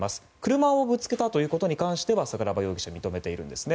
車をぶつけたということに関しては桜庭容疑者は認めているんですね。